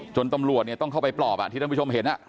จนตำรวจเนี่ยต้องเข้าไปปลอบอ่ะที่ท่านผู้ชมเห็นอ่ะ